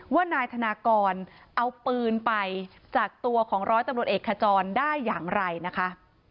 ว่านายธนากรเอาปืนไปจากตัวของร้อยตำรวจเอกขจรได้อย่างไรนะคะ